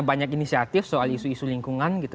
banyak inisiatif soal isu isu lingkungan gitu